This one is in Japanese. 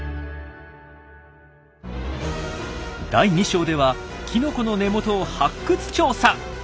第２章ではきのこの根元を発掘調査！